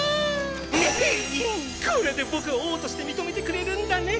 これで僕を王として認めてくれるんだね！